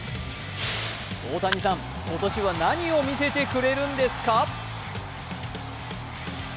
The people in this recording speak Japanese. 大谷さん、今年は何を見せてくれるんですか？